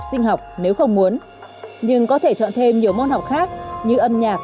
sinh học nếu không muốn nhưng có thể chọn thêm nhiều môn học khác như âm nhạc